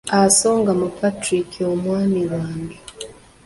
Asonga mu Patrick omwami wange.